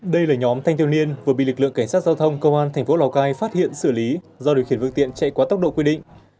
đây là nhóm thanh thiếu niên vừa bị lực lượng cảnh sát giao thông công an thành phố lào cai phát hiện xử lý do điều khiển phương tiện chạy quá tốc độ quy định